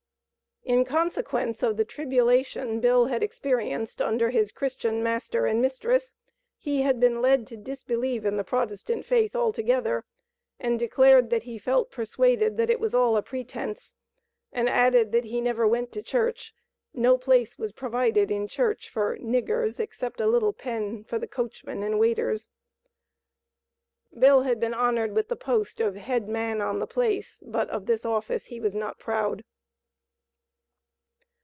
In consequence of the tribulation Bill had experienced under his Christian master and mistress, he had been led to disbelieve in the Protestant faith altogether, and declared that he felt persuaded that it was all a "pretense," and added that he "never went to Church; no place was provided in church for 'niggers' except a little pen for the coachmen and waiters." Bill had been honored with the post of "head man on the place," but of this office he was not proud.